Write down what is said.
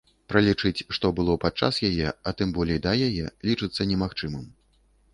Пралічыць, што было падчас яе, а тым болей да яе, лічыцца немагчымым.